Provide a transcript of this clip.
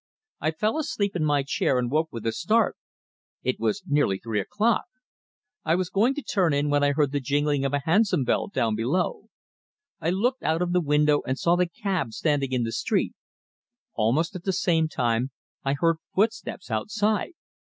I fell asleep in my chair and woke with a start. It was nearly three o'clock. I was going to turn in when I heard the jingling of a hansom bell down below. I looked out of the window and saw the cab standing in the street. Almost at the same time I heard footsteps outside.